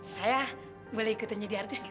saya boleh ikutan jadi artis gitu